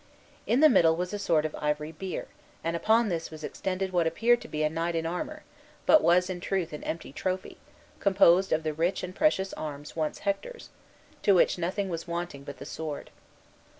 In the middle was a sort of ivory bier, and upon this was extended what appeared to be a knight in armor, but was in truth an empty trophy, composed of the rich and precious arms once Hector's, to which nothing was wanting but the sword.